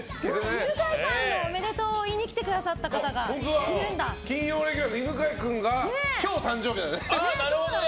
犬飼さんにおめでとうを言いに来てくださった方が金曜レギュラーの犬飼君が今日誕生日なんだよね。